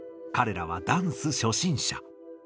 彼らはダンス初心者。